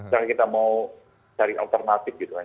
karena kita mau cari alternatif gitu kan